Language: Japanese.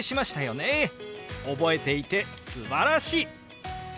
覚えていてすばらしい！